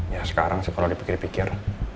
ya sekarang sekolah dipikir pikir